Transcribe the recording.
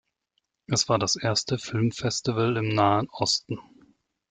Es war das erste Filmfestival im Nahen Osten.